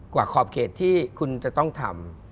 ขอบเขตที่คุณจะต้องทำ